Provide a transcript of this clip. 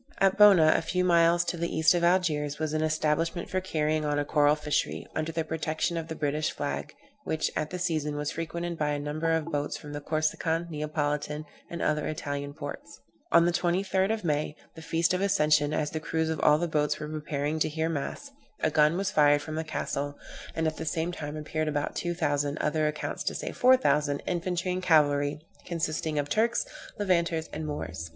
At Bona, a few miles to the east of Algiers, was an establishment for carrying on a coral fishery, under the protection of the British flag, which, at the season, was frequented by a great number of boats from the Corsican, Neapolitan, and other Italian ports. On the 23d of May, the feast of Ascension, as the crews of all the boats were preparing to hear mass, a gun was fired from the castle, and at the same time appeared about two thousand, other accounts say four thousand, infantry and cavalry, consisting of Turks, Levanters, and Moors.